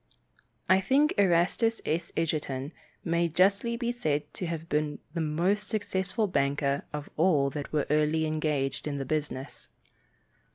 I think Erastus S. Edgerton may justly be said to have been the most successful banker of all that were early engaged in the business.